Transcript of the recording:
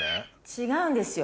違うんですよ